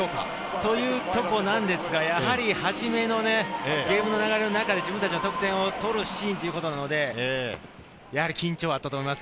というところなんですが、やはり始めのゲームの流れの中で自分たちの得点を取るシーンなので、やはり緊張はあったと思います。